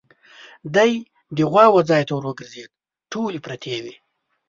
دی د غواوو ځای ته ور وګرځېد، ټولې پرتې وې.